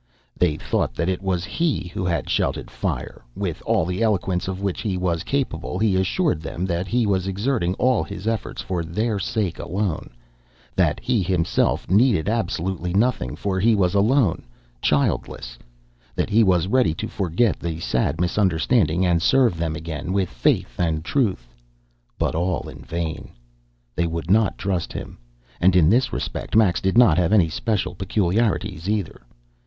They thought that it was he who had shouted "Fire!" With all the eloquence of which he was capable he assured them that he was exerting all his efforts for their sake alone; that he himself needed absolutely nothing, for he was alone, childless; that he was ready to forget the sad misunderstanding and serve them again with faith and truth but all in vain. They would not trust him. And in this respect Max did not have any special peculiarities, either.